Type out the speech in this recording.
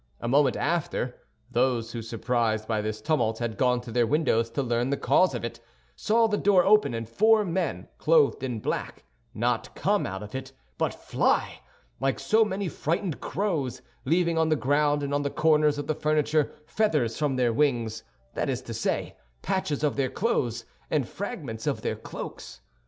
A moment after, those who, surprised by this tumult, had gone to their windows to learn the cause of it, saw the door open, and four men, clothed in black, not come out of it, but fly, like so many frightened crows, leaving on the ground and on the corners of the furniture, feathers from their wings; that is to say, patches of their clothes and fragments of their cloaks.